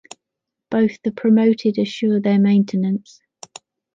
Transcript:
Both the promoted assure their maintenance.